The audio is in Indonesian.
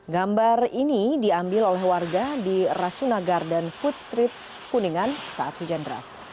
gambar ini diambil oleh warga di rasunagar dan food street kuningan saat hujan deras